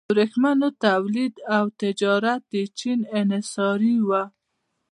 د ورېښمو تولید او تجارت د چین انحصاري و.